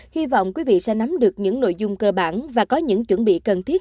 hy vọng quý vị sẽ nắm được những nội dung cơ bản và có những chuẩn bị cần thiết